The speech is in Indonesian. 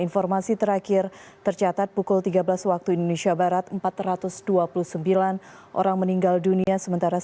informasi terakhir tercatat pukul tiga belas waktu indonesia barat empat ratus dua puluh sembilan orang meninggal dunia sementara